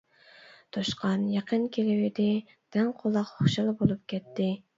توشقان يېقىن كېلىۋىدى، دىڭ قۇلاق خۇشال بولۇپ كەتتى.